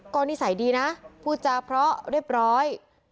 ก็นิสัยดีนะพูดจาเพราะเรียบร้อย